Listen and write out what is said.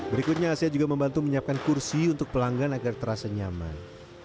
berikutnya saya juga membantu menyiapkan kursi untuk pelanggan agar terasa nyaman